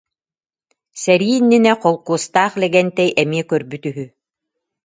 Сэрии иннинэ Холкуостаах Лэгэнтэй эмиэ көрбүт үһү